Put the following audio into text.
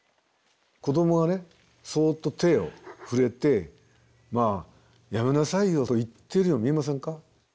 子どもがそっと手を触れて「まあやめなさいよ」と言っているように見えませんか？